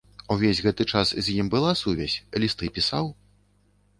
Увесь гэты час з ім была сувязь, лісты пісаў?